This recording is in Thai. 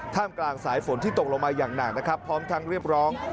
ท่ามกลางสายฝนที่ตกลงมาอย่างหนาพร้อมทางเรียบร้อง